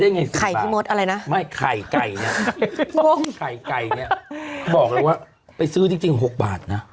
ไก่นี่บอกเลยว่าไปซื้อจริง๖บาทนะ